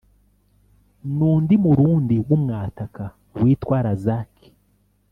n’undi Murundi w’umwataka witwa Lazake